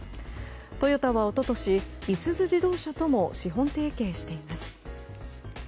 トヨタは、一昨年いすゞ自動車とも資本提携しています。